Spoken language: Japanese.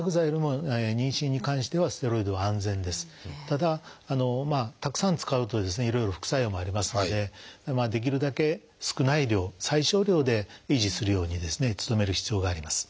ただたくさん使うとですねいろいろ副作用もありますのでできるだけ少ない量最少量で維持するように努める必要があります。